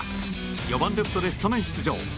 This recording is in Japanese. ４番レフトでスタメン出場。